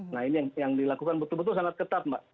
nah ini yang dilakukan betul betul sangat ketat mbak